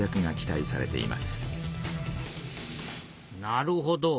なるほど。